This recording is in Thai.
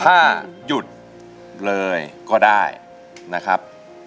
ถ้าหยุดเลยก็ได้นะครับ